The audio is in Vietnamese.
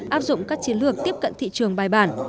áp dụng các chiến lược tiếp cận thị trường bài bản